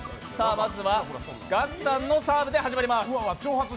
まずは、ガクさんのサーブで始まります。